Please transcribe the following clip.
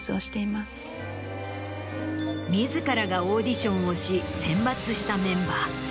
自らがオーディションをし選抜したメンバー。